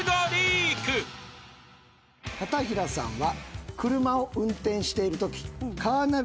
「片平さんは」